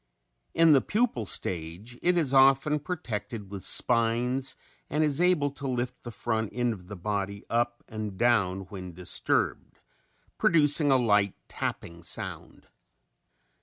In the pupal stage it is often protected with spines and is able to lift the front end of the body up and down when disturbed, producing a light tapping sound.